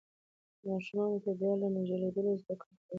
ماشومان د طبیعت له نږدې لیدلو زده کړه کوي